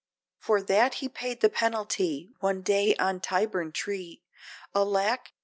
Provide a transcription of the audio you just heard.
For that he paid the penalty, one day on Tyburn tree, Alack!